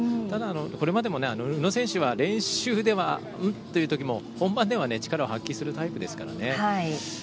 ただ、これまでも宇野選手は練習ではうっっていうときも本番では力を発揮するタイプですのでね。